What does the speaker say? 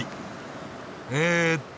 えっと。